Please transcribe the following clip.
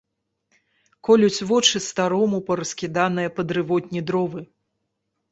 Колюць вочы старому параскіданыя па дрывотні дровы.